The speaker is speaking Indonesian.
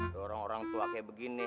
dorong orang tua kayak begini